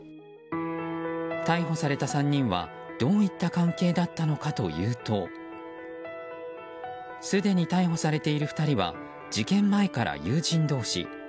逮捕された３人は、どういった関係だったのかというとすでに逮捕されている２人は事件前から友人同士。